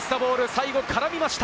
最後、絡みました。